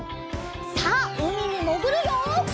さあうみにもぐるよ！